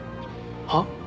はっ？